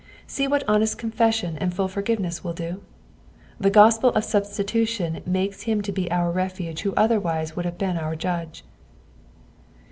Bee what honest confession and full forgiveness will do 1 The gospel of substitution makes him to be our refuge who otherwise would have been our judge.